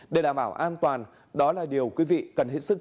để đảm bảo an toàn đó là điều quý vị cần hết sức